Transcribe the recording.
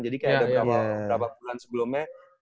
jadi kayak ada berapa berapa bulan sebelumnya